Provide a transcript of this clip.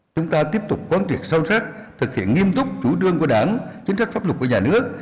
chúng ta tiếp tục quan triệt sâu sắc thực hiện nghiêm túc chủ trương của đảng chính sách pháp luật của nhà nước